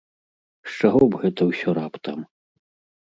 З чаго б гэта ўсё раптам?